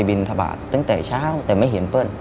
บินทบาทตั้งแต่เช้าแต่ไม่เห็นเปิ้ล